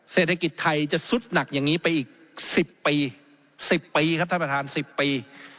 เศรษฐกิจไทยจะซุดหนักอย่างนี้ไปอีก๑๐ปี